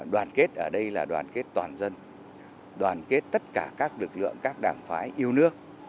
đoàn kết ở đây là đoàn kết toàn dân đoàn kết tất cả các lực lượng các đảng phái yêu nước